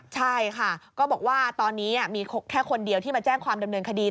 ใช่ค่ะก็บอกว่าตอนนี้มีแค่คนเดียวที่มาแจ้งความดำเนินคดี